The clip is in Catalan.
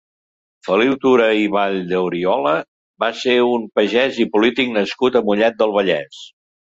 Feliu Tura i Valldeoriola va ser un pagès i polític nascut a Mollet del Vallès.